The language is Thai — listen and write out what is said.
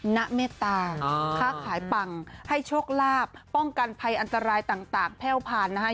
หนะเมตาข้าขายปังให้โชคลาบป้องกันพัยอันตรายต่างแพ่วพานนะครับ